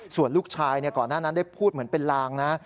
ส่วนลูกชายก่อนหน้านั้นได้พูดเหมือนเป็นลางนะ